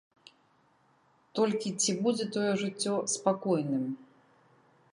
Толькі ці будзе тое жыццё спакойным?